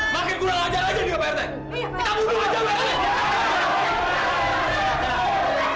makin kurang ajar aja nih pak rt